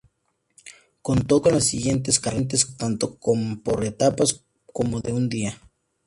Contó con las siguientes carreras, tanto por etapas como de un día.